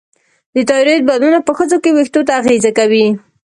د تایروییډ بدلونونه په ښځو کې وېښتو ته اغېزه کوي.